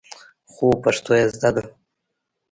خو پښتو يې زده ده.